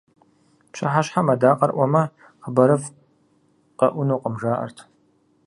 Пщыхьэщхьэм адакъэр Ӏуэмэ, хъыбарыфӀ къэӀунукъым жаӀэрт.